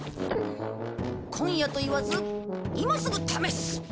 今夜と言わず今すぐ試す！